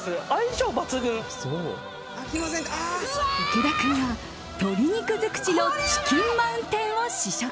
池田君は鶏肉尽くしのチキンマウンテンを試食。